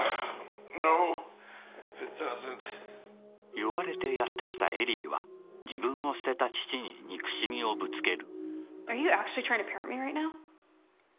呼ばれてやってきたエリーは自分を捨てた父に憎しみをぶつける。